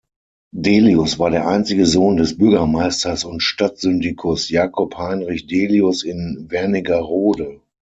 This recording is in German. Delius war der einzige Sohn des Bürgermeisters und Stadtsyndikus’ Jakob Heinrich Delius in Wernigerode.